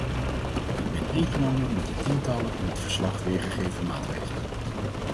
Ik ben ingenomen met de tientallen in het verslag weergegeven maatregelen.